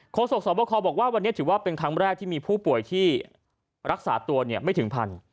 โค้งส่งสวัสดิ์ว่าคอบอกว่าวันนี้ถือว่าเป็นครั้งแรกที่มีผู้ป่วยที่รักษาตัวไม่ถึงพันธุ์